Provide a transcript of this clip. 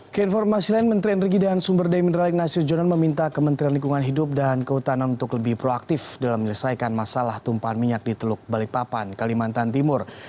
keinformasi lain menteri energi dan sumber daya mineral ignasius jonan meminta kementerian lingkungan hidup dan kehutanan untuk lebih proaktif dalam menyelesaikan masalah tumpahan minyak di teluk balikpapan kalimantan timur